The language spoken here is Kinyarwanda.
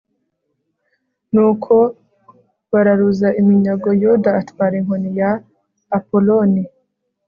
nuko bararuza iminyago, yuda atwara inkota ya apoloni